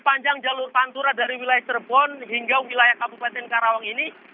sepanjang jalur pantura dari wilayah cirebon hingga wilayah kabupaten karawang ini